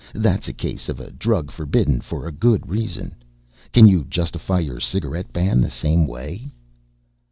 That's a case of a drug forbidden for a good reason. Can you justify your cigarette ban the same way?"